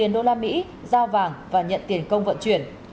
đô la mỹ giao vàng và nhận tiền công vận chuyển